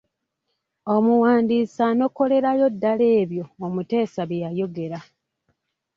Omuwandiisi anokolerayo ddala ebyo omuteesa bye yayogera.